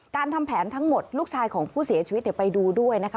ทำแผนทั้งหมดลูกชายของผู้เสียชีวิตไปดูด้วยนะคะ